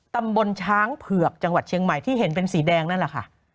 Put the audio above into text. ตำบลช้างเผือกจังหวัดเชียงใหม่ที่เห็นเป็นสีแดงนั่นแหละค่ะ